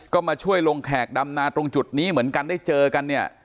ก็มาช่วยลงแขกดำนาตรงจุดนี้เหมือนกันได้เจอกันเนี่ย